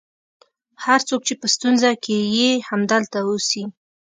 هر څوک چې په ستونزه کې یې همدلته اوسي.